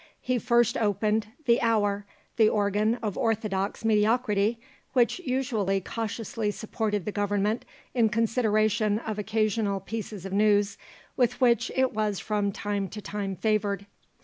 He first opened THE HOUR, the organ of orthodox mediocrity, which usually cautiously supported the Government in consideration of occasional pieces of news with which it was from time to time favoured.